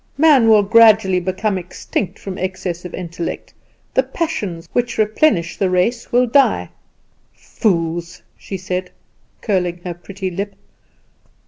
Man will gradually become extinct from excess of intellect, the passions which replenish the race will die.' Fools!" she said, curling her pretty lip.